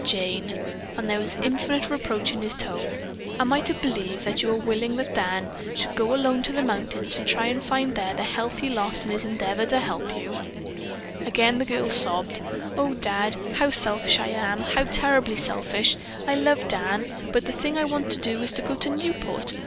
"Jane," and there was infinite reproach in his tone, "am I to believe that you are willing that Dan should go alone to the mountains to try to find there the health he lost in his endeavor to help you?" Again the girl sobbed. "Oh, Dad, how selfish I am! How terribly selfish! I love Dan, but the thing I want to do is to go to Newport.